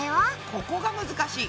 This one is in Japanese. ここが難しい。